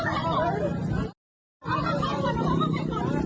อุ๊ยพี่โดนรุมเลือดออกเลยอ่ะ